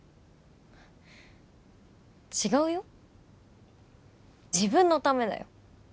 違うよ自分のためだよ